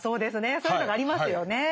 そういうのがありますよね。